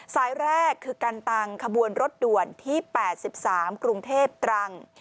สายแรกคือกันตังขบวนรถด่วนที่๘๓กรุงเทพตรัง